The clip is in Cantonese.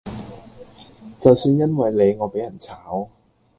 就算因為你我比人炒